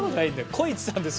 こいちさんです。